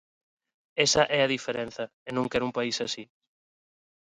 Esa é a diferenza, e non quero un país así.